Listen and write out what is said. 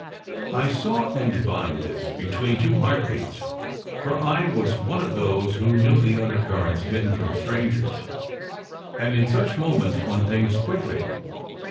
I saw and divined this between two heartbeats, for I was one of those who knew the undercurrents hidden from strangers; and in such moments one thinks quickly.